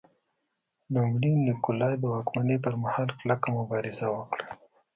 لومړي نیکولای د واکمنۍ پرمهال کلکه مبارزه وکړه.